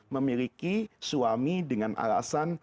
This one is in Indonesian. memiliki suami dengan alasan